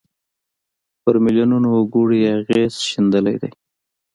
پر میلیونونو وګړو یې اغېز ښندلی دی.